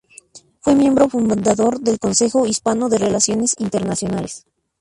Fue miembro fundador del Consejo Hispano de Relaciones Internacionales.